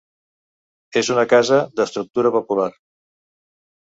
És una casa d'estructura popular.